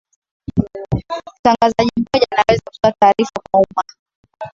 mtangazaji mmoja anaweza kutoa tarifa kwa uuma